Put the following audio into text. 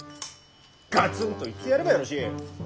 がつんと言ってやればよろしい。